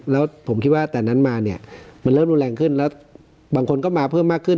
แล้วผมคิดว่าแต่นั้นมาเนี่ยมันเริ่มรุนแรงขึ้นแล้วบางคนก็มาเพิ่มมากขึ้น